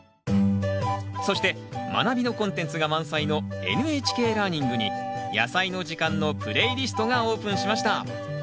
そして「まなび」のコンテンツが満載の「ＮＨＫラーニング」に「やさいの時間」のプレイリストがオープンしました。